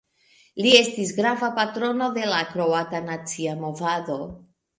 Li estis grava patrono de la kroata nacia movado.